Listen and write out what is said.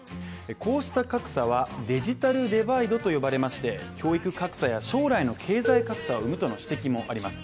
こうした格差は、デジタルデバイドと呼ばれまして教育格差や将来の経済格差を生むとの指摘もあります。